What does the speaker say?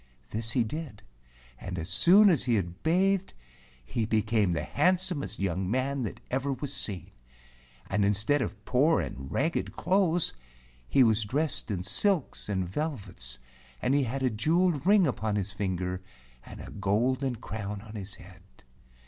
This he did, and as soon as he had bathed he became the handsomest young man that ever was seen, and instead of poor and ragged clothes he was dressed in silks and vel¬ vets, and he had a jeweled ring upon his finger, and a golden crown on his head.